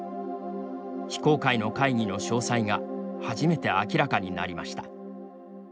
非公開の会議の詳細が初めて明らかになりました。